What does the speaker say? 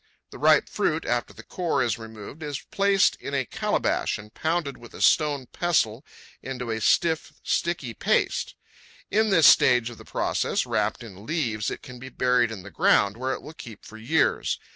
The ripe fruit, after the core is removed, is placed in a calabash and pounded with a stone pestle into a stiff, sticky paste. In this stage of the process, wrapped in leaves, it can be buried in the ground, where it will keep for years.